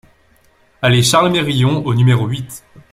Allée Charles Meryon au numéro huit